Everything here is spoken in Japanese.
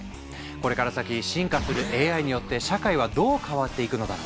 これから先進化するＡＩによって社会はどう変わっていくのだろう？